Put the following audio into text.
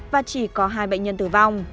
và chỉ có hai bệnh nhân tử vong